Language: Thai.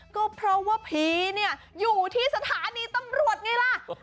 ก็เพราะว่าผีเนี่ยอยู่ที่สถานีตำรวจไงล่ะ